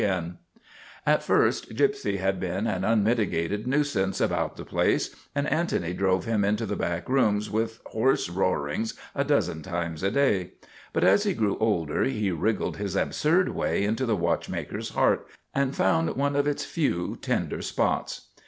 MADNESS OF ANTONY SPATOLA 79 At first Gypsy had been an unmitigated nuisance about the place, and Antony drove him into the back rooms with hoarse roarings a dozen times a day. But as he grew older he wriggled his absurd way into the watchmaker's heart and found one of its few tender spots.